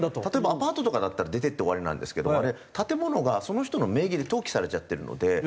例えばアパートとかだったら出ていって終わりなんですけどもあれ建物がその人の名義で登記されちゃってるので。